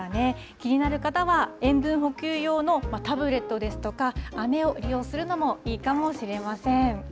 気になる方は、塩分補給用のタブレットですとか、あめを利用するのもいいかもしれません。